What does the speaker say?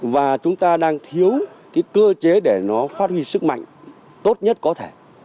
và chúng ta đang thiếu cái cơ chế để nó phát huy sức mạnh tốt nhất có thể